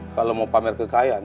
kalau mau pamer kekayaan